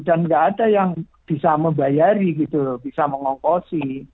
dan enggak ada yang bisa membayari gitu bisa mengkosi